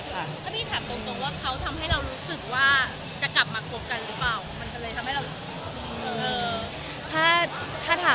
พี่ถามตรงว่าเขาทำให้เรารู้สึกว่าจะกลับมาคบกันหรือเปล่า